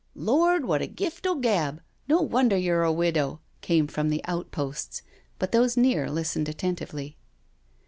'* "Lord, what a gift o' the gab I No wonder yer a widow I " came from the outposts, but those near listened attentively.